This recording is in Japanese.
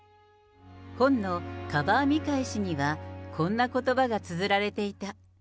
本のカバー見返しには、こんなことばがつづられていた。